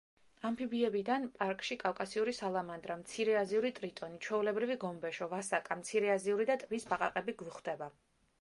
ამფიბიებიდან პარკში კავკასიური სალამანდრა, მცირეაზიური ტრიტონი, ჩვეულებრივი გომბეშო, ვასაკა, მცირეაზიური და ტბის ბაყაყები გვხვდება.